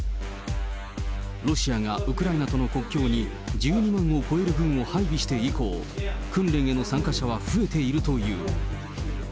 ロシアがウクライナとの国境に１２万を超える軍を配備して以降、訓練への参加者は増えているという。